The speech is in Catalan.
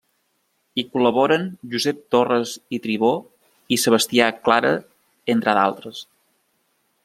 Hi col·laboren Josep Torres i Tribó i Sebastià Clara entre d'altres.